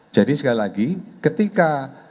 jadi sekali lagi ketika